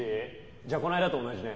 じゃあこの間と同じね。